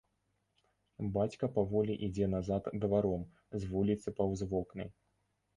Бацька паволі ідзе назад дваром з вуліцы паўз вокны.